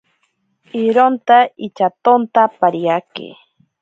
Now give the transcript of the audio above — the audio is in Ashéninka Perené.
Ironta intyatonta pariake.